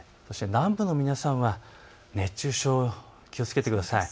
南部の皆さんは熱中症に気をつけてください。